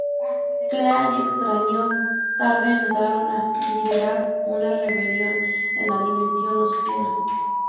Clea y Extraño tarde ayudaron a liderar una rebelión en la Dimensión Oscura.